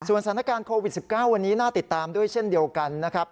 สถานการณ์โควิด๑๙วันนี้น่าติดตามด้วยเช่นเดียวกันนะครับ